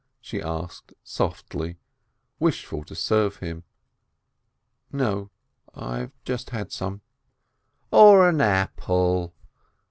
she asked softly, wishful to serve him. "No, I have just had some." "Or an apple?"